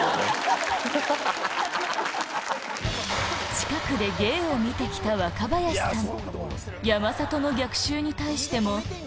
近くで芸を見てきた若林さん